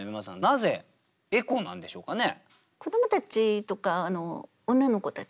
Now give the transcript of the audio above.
なぜエコなんでしょうかね。